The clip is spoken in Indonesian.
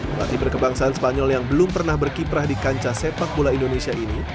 pelatih berkebangsaan spanyol yang belum pernah berkiprah di kancah sepak bola indonesia ini